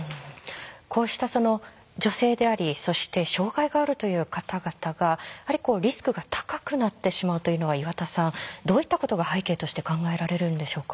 こうした女性でありそして障害があるという方々がリスクが高くなってしまうというのは岩田さんどういったことが背景として考えられるんでしょうか？